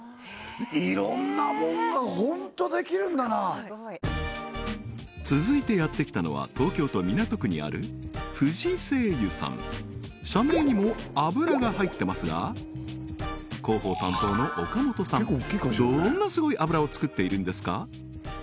いろんなもんがホントできるんだな続いてやってきたのは東京都港区にある不二製油さん社名にも「油」が入ってますが広報担当の岡本さんつくっているんですか？